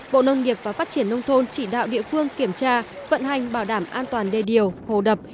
bộ nông nghiệp và phát triển nông thôn chỉ đạo địa phương kiểm tra vận hành bảo đảm an toàn đề điều hồ đập